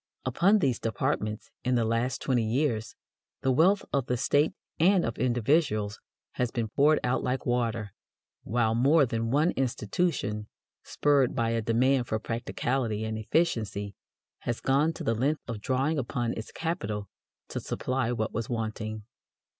Upon these departments, in the last twenty years, the wealth of the State and of individuals has been poured out like water, while more than one institution, spurred by a demand for "practicality" and "efficiency," has gone to the length of drawing upon its capital to supply what was wanting.